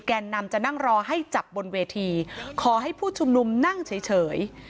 แกนนำจะนั่งรอให้จับบนเวทีขอให้ผู้ชุมนุมนั่งเฉย